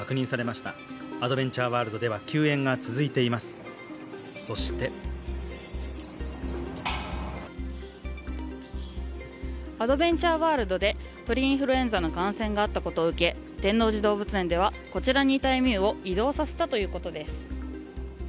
そしてアドベンチャーワールドで鳥インフルエンザの感染があったことを受け、天王寺動物園ではこちらにいたエミューを移動させたということです。